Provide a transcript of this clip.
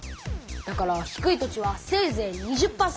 だから低い土地はせいぜい２０％！